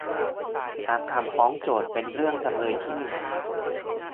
ตามคำฟ้องโจทก์เป็นเรื่องจำเลยที่หนึ่ง